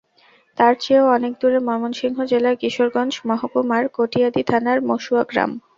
তার চেয়েও অনেক দূরে ময়মনসিংহ জেলার কিশোরগঞ্জ মহকুমার কটিয়াদি থানার মসুয়া গ্রাম।